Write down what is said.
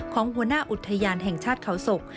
หัวหน้าอุทยานแห่งชาติเขาศก